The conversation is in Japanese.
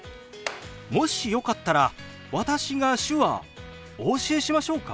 もしよかったら私が手話お教えしましょうか？